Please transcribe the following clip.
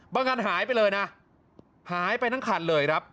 อันหายไปเลยนะหายไปทั้งคันเลยครับ